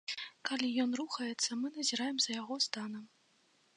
Калі ён рухаецца, мы назіраем за яго станам.